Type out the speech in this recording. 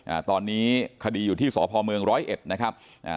อ่าตอนนี้คดีอยู่ที่สพเมืองร้อยเอ็ดนะครับอ่า